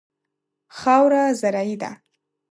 خاوره زرعي ده.